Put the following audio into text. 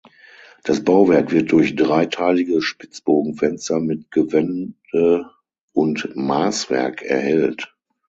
Das Bauwerk wird durch dreiteilige Spitzbogenfenster mit Gewände und Maßwerk erhellt.